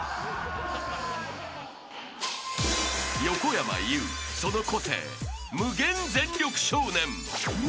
［横山裕その個性無限全力少年］